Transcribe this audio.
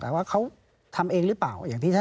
แต่ว่าเขาทำเองหรือเปล่า